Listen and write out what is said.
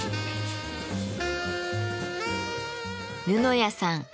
布谷さん